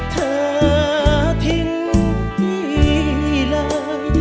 เธอทิ้งพี่เลย